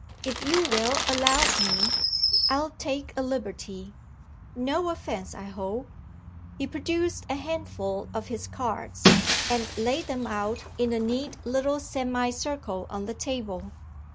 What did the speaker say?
If you will allow me, I'll take a liberty. No offence, I hope?" He produced a handful of his cards, and laid them out in a neat little semicircle on the table.